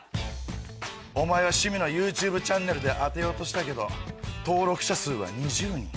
お前は趣味のＹｏｕＴｕｂｅチャンネルで当てようとしたけど登録者数は２０人。